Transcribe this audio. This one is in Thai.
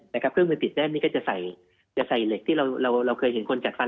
เครื่องมือติดแน่นนี่ก็จะใส่เหล็กที่เราเคยเห็นคนจัดฟัน